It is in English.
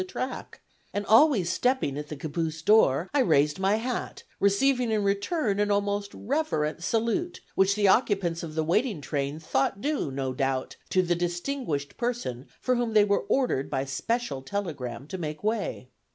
_] the track; and always stepping at the caboose door, I raised my hat, receiving in return an almost reverent salute, which the occupants of the waiting train thought due, no doubt, to the distinguished person for whom they were ordered by special telegram to make way.